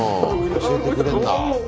教えてくれんだ。